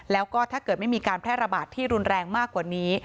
แล้วก็ถ้าเกิดไม่มีการแพร่ระบาดที่รุนแรงมากกว่านี้